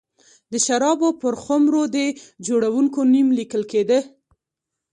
د شرابو پر خُمرو د جوړوونکي نوم لیکل کېده.